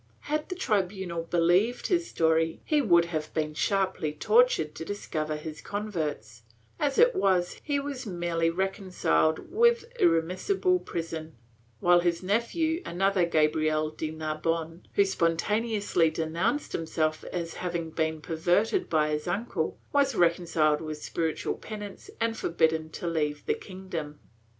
Had the tribunal believed his story, he would have been sharply tortured to discover his converts; as it was, he was merely reconciled with irremissible prison, while his nephew, another Gabriel de Narbonne, who spontaneously denounced himself as having been perverted by his uncle, was reconciled with spiritual penance and forbidden to leave the kingdom.